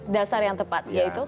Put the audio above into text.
dasar yang tepat yaitu